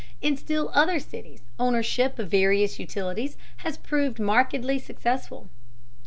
In still other cities ownership of various utilities has proved markedly successful.